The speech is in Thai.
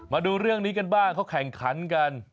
มาดูเรื่องนี้กันบ้างเขาแข่งขันกัน